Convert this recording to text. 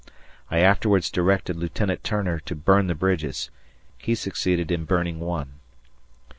... I afterwards directed Lieutenant Turner to burn the bridges. He succeeded in burning one.